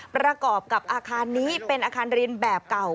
ประกอบกับอาคารนี้เป็นอาคารเรียนแบบเก่า